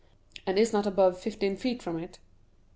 "And is not above fifteen feet from it?"